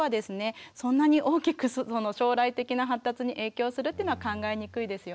そんなに大きく将来的な発達に影響するっていうのは考えにくいですよね。